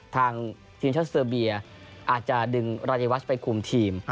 ทางทีมชาติเซอร์เบียอาจจะดึงรายวัชไปคุมทีม